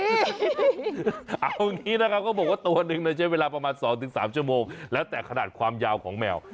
เอาอย่างนี้นะครับก็บอกว่าตัวหนึ่งใช้เวลาประมาณ๒๓ชั่วโมงแล้วแต่ขนาดความยาวของแมว